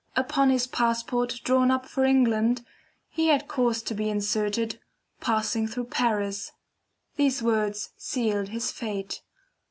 Upon his passport drawn up for England, he had caused to be inserted: "passing through Paris." These words sealed his fate.